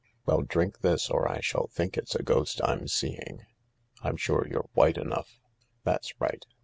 " Well, drink this, or I shall think it's a ghost I'm seeing. I'm sure you're white enough. That's right.